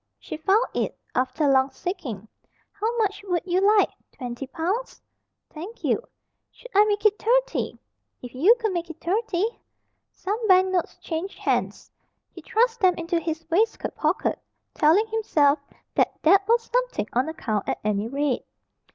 She found it, after long seeking. "How much would you like twenty pounds?" "Thank you." "Should I make it thirty?" "If you could make it thirty." Some bank notes changed hands. He thrust them into his waistcoat pocket, telling himself that that was something on account at any rate.